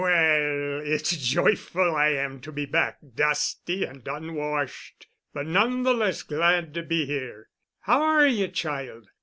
"Well,—it's joyful I am to be back, dusty and unwashed, but none the less glad to be here. How are ye, child?